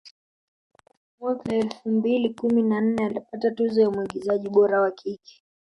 Mwaka elfu mbili kumi na nne alipata tuzo ya mwigizaji bora wa kike